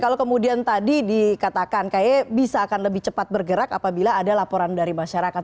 kalau kemudian tadi dikatakan kayaknya bisa akan lebih cepat bergerak apabila ada laporan dari masyarakat